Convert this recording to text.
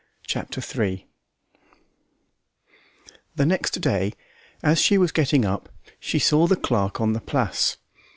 Chapter Three The next day, as she was getting up, she saw the clerk on the Place.